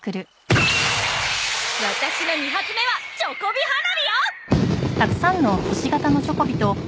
ワタシの２発目は『チョコビ花火』よ！